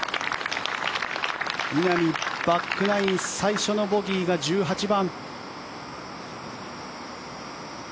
稲見、バックナイン最初のボギーが１８番。